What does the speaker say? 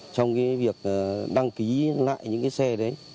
trong cái việc đăng ký lại những cái xe đấy